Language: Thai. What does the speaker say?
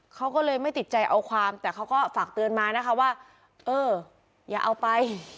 เขาก็เลยไม่ติดใจเอาความแต่เขาก็ฝากเตือนมานะคะว่าเอออย่าเอาไป